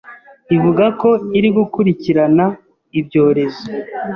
ivuga ko iri gukurikirana ibyorezo